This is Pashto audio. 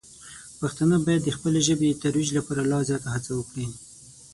پښتانه باید د خپلې ژبې د ترویج لپاره لا زیاته هڅه وکړي.